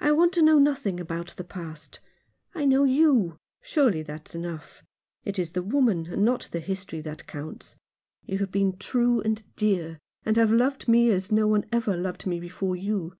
I want to know nothing about the past. I know you. Surely that's enough. It is the woman, and not the history, that counts. You have been true and dear, and have loved me as no one ever loved me before you.